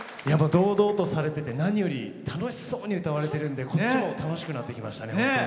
堂々とされてて何より楽しそうに歌われてるのでこっちも楽しくなってきました。